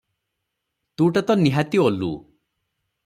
ତୁ ଟା ତ ନିହାତି ଓଲୁ ।